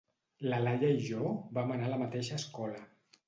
La Laia i jo vam anar a la mateixa escola.